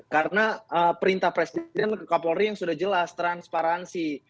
karena perintah presiden dan kapolri yang sudah jelas transparansi